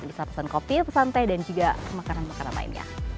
bisa pesan kopi pesan teh dan juga makanan makanan lainnya